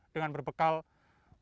dengan berbekal kamera ponsel